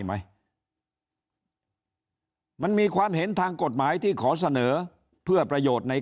ไหมมันมีความเห็นทางกฎหมายที่ขอเสนอเพื่อประโยชน์ใน